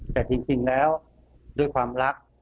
แต่จริงแล้วด้วยความรัก